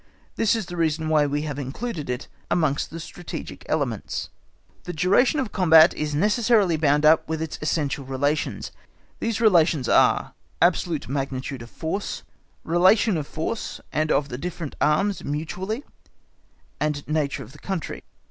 This is the reason why we have included it amongst the strategic elements. The duration of a combat is necessarily bound up with its essential relations. These relations are, absolute magnitude of force, relation of force and of the different arms mutually, and nature of the country.